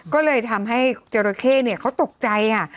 ก็เลยทำให้จราเข้เขาตกใจค่ะ